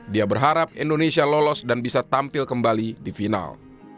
dia berharap indonesia lolos dan bisa tampil kembali di final